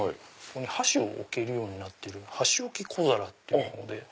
箸を置けるようになってる箸置き小皿っていうもので。